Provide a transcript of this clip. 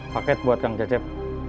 paket buat kang cecep